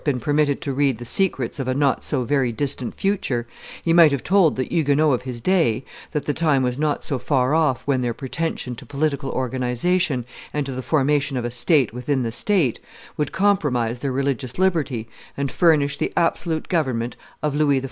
been permitted to read the secrets of a not so very distant future, he might have told the Huguenots of his day that the time was not so far off when their pretension to political organization and to the formation of a state within the state, would compromise their religious liberty and furnish the absolute government of Louis XIV.